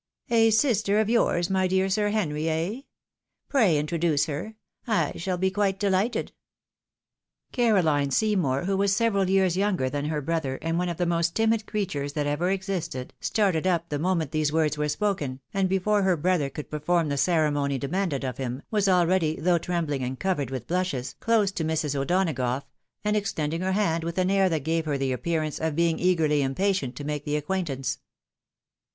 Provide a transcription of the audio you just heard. " A sister of yours, my dear Sir Henry, eh ? Pray introduce her, — I shall be quite dehghted." Caroline Seymour, who was several years younger than her brother, and one of the most timid creatures that ever existed, started up the moment these words were spoken, and before her brother could perform the ceremony demanded of him, was already, though trembling and covered with blushes, close to Mrs. O'Donagough, and extending her hand with an air that gave her the appearance of being eagerly impatient to make the acquaintance.